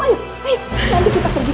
ayo nanti kita pergi ke tempat ini